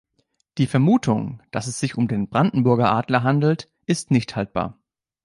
Die Vermutung, dass es sich um den Brandenburger Adler handelt, ist nicht haltbar.